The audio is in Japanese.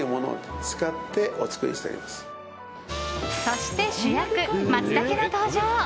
そして主役、マツタケの登場。